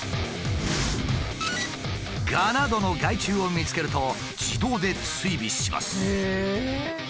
ガなどの害虫を見つけると自動で追尾します。